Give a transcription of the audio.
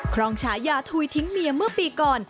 ครองฉายาทุยทิ้งเมียเมื่อปีก่อน